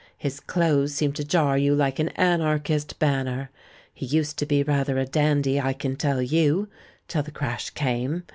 His clothes seem to j ar you like an Anarchist banner. He used to be rather a dandy, I can tell you, till the crash came.